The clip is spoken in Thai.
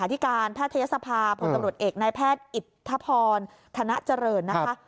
อิทธพรคณะเจริญนะคะ